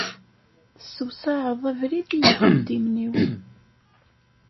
Tessewsaɛeḍ abrid i yiqeddimen-iw.